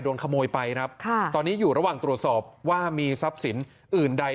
โดนขโมยไปครับค่ะตอนนี้อยู่ระหว่างตรวจสอบว่ามีทรัพย์สินอื่นใด